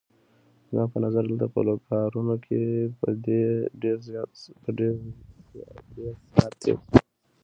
زما په نظر دلته په لوکارنو کې به دې ډېر ساعت تېر شي.